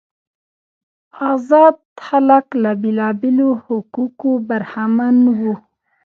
آزاد خلک له بیلابیلو حقوقو برخمن وو.